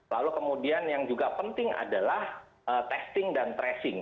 lalu kemudian yang juga penting adalah testing dan tracing